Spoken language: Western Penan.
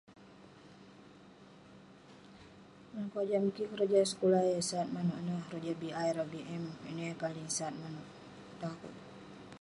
"dalem kojam kik keroja sekulah yah sat manouk ineh keroja ""bi"" rawah ""bm"" ,ineh yah paling sat manouk tong akouk."